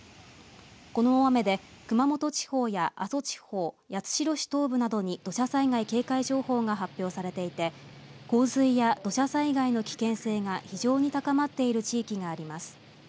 この大雨で熊本地方や阿蘇地方、八代市東部などに土砂災害警戒情報が発表されていて洪水や土砂災害の危険性が非常に高まっている地域があります。